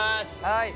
はい。